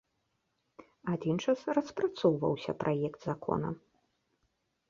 Адзін час распрацоўваўся праект закона.